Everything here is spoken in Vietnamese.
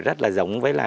rất là giống với là